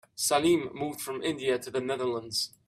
Salim moved from India to the Netherlands.